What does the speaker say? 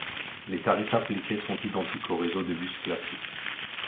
Les tarifs appliqués sont identiques au réseau de bus classique.